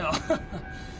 ハハハ。